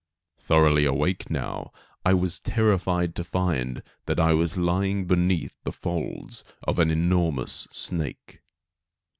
Thoroughly awake now, I was terrified to find that I was lying beneath the folds of an enormous snake.